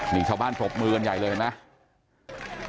นี่ชาวบ้านปรบมือกันใหญ่เลยเห็นไหม